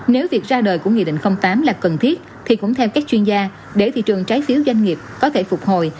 nếu việc ra đời của nghị định tám là cần thiết thì cũng theo các chuyên gia để thị trường trái phiếu doanh nghiệp có thể phục hồi